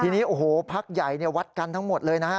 ทีนี้โอ้โหพักใหญ่วัดกันทั้งหมดเลยนะฮะ